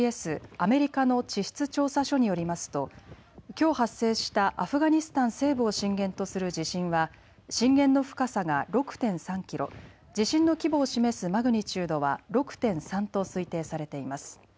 ・アメリカの地質調査所によりますときょう発生したアフガニスタン西部を震源とする地震は震源の深さが６．３キロ、地震の規模を示すマグニチュードは６．３と推定されています。